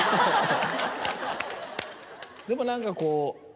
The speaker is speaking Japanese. でも何かこう。